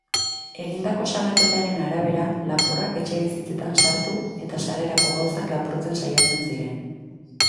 Egindako salaketen arabera, lapurrak etxebizitzetan sartu eta sarrerako gauzak lapurtzen saiatzen ziren.